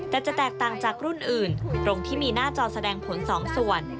แต่จะแตกต่างจากรุ่นอื่นตรงที่มีหน้าจอแสดงผลสองส่วน